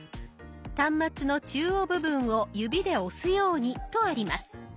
端末の中央部分を指で押すようにとあります。